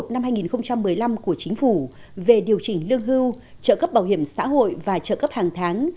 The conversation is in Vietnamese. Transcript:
năm hai nghìn một mươi năm của chính phủ về điều chỉnh lương hưu trợ cấp bảo hiểm xã hội và trợ cấp hàng tháng